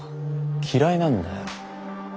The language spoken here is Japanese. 嫌いなんだよ